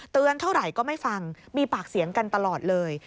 เท่าไหร่ก็ไม่ฟังมีปากเสียงกันตลอดเลย